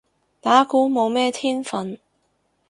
打鼓冇咩天份